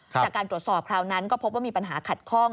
จากการตรวจสอบคราวนั้นก็พบว่ามีปัญหาขัดข้อง